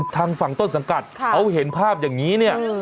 ทางฝั่งต้นสังกัดเขาเห็นภาพอย่างนี้เนี่ย